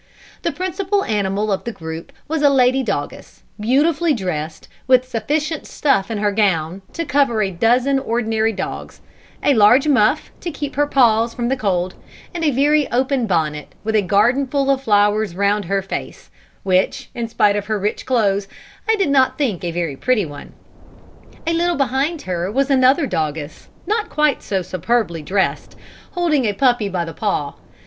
The principal animal of the group was a lady doggess, beautifully dressed, with sufficient stuff in her gown to cover a dozen ordinary dogs, a large muff to keep her paws from the cold, and a very open bonnet with a garden full of flowers round her face, which, in spite of her rich clothes, I did not think a very pretty one. A little behind her was another doggess, not quite so superbly dressed, holding a puppy by the paw.